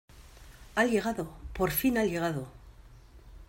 ¡ Ha llegado! ¡ por fin ha llegado !